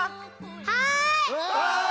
はい！